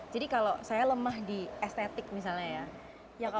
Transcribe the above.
jadi kalau saya lemah di estetik misalnya ya